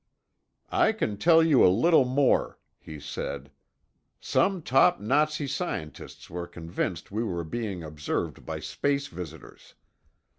"I can tell you a little more," he said. "Some top Nazi scientists were convinced we were being observed by space visitors.